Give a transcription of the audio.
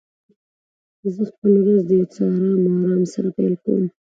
زه خپل ورځ د یو څه آرام او آرام سره پیل کوم.